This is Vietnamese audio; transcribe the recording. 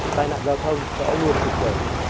tài nạn giao thông sẽ ổn định